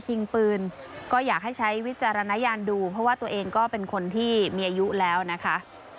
ให้ใช้วิจารณญานดูเพราะว่าตัวเองเป็นคนที่เมื่อยุแล้วนะคะ